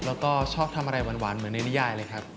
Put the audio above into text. แล้วก็ชอบทำอะไรหวานเหมือนในนิยายเลยครับ